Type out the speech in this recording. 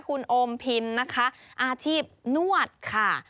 คุณโอมพินนะคะอาชีพนวดค่ะ